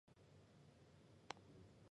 又表示不回应会否引咎辞职。